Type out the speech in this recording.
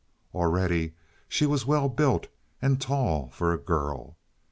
Already she was well built, and tall for a girl.